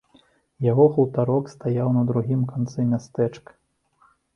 Яго хутарок стаяў на другім канцы мястэчка.